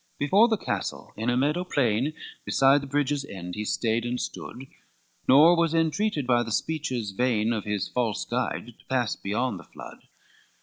XXXI Before the castle, in a meadow plain Beside the bridge's end, he stayed and stood, Nor was entreated by the speeches vain Of his false guide, to pass beyond the flood.